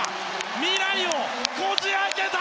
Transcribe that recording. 未来をこじ開けた！